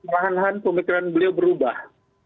lahan lahan pemikiran beliau berubah